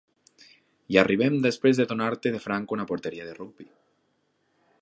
Hi arribem després de donar-te de franc una porteria de rugbi.